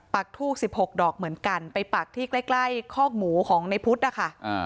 ทูบ๑๖ดอกเหมือนกันไปปักที่ใกล้คอกหมูของในพุทธนะคะ